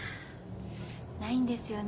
ないんですよね。